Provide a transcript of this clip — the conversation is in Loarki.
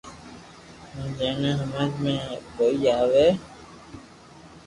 ھين جي ني ھمج ۾ ڪوئي اوي